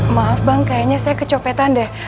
maaf bang kayaknya saya kecopetan deh